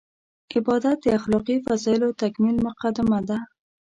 عبادت د اخلاقي فضایلو تکمیل مقدمه ده.